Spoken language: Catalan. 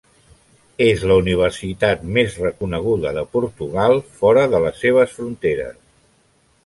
És la universitat més reconeguda de Portugal fora de les seves fronteres.